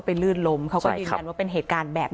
พระเจ้าอาวาสกันหน่อยนะครับ